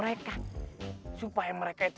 gak tahu kayak mana khawatir